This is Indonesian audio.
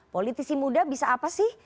politisi muda bisa apa sih